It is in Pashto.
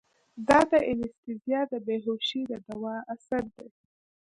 دا د انستيزي د بېهوشي د دوا اثر ديه.